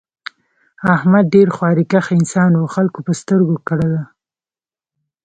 احمد ډېر خواریکښ انسان و خلکو په سترگو کړلا.